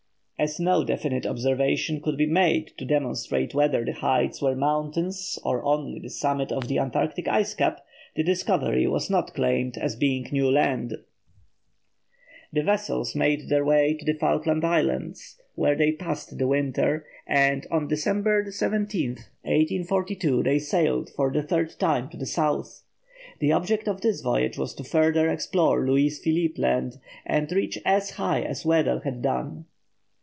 As no definite observations could be made to demonstrate whether the heights were mountains or only the summit of the Antarctic ice cap, the discovery was not claimed as being new land. The vessels made their way to the Falkland Islands, where they passed the winter, and on December 17, 1842, they sailed, for the third time, to the South. The object of this voyage was to further explore Louis Philippe Land and reach as high as Weddell had done.